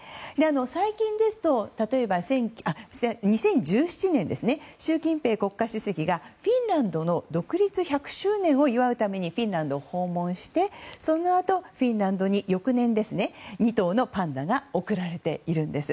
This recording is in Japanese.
最近ですと２０１７年、習近平国家主席がフィンランドの独立１００周年を祝うためにフィンランドを訪問してそのあと翌年、フィンランドに２頭のパンダが贈られているんです。